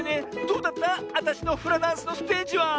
どうだったあたしのフラダンスのステージは？